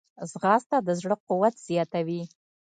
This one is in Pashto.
ځغاسته د زړه قوت زیاتوي